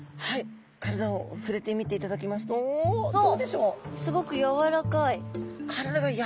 体をふれてみていただきますとどうでしょう？